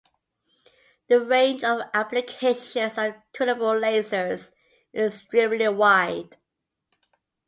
The range of applications of tunable lasers is extremely wide.